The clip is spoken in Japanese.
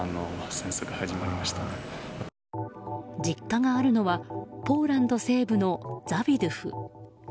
実家があるのはポーランド西部のザビドゥフ。